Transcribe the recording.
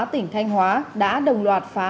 tỉnh thanh hóa đã đồng loạt phá